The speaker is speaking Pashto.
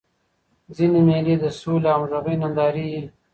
ځيني مېلې د سولي او همږغۍ نندارې يي.